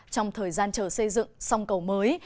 trong thời gian chờ xây dựng sông cầu mới